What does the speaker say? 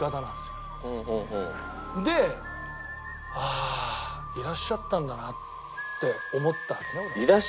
で「ああいらっしゃったんだな」って思ったわけね俺は。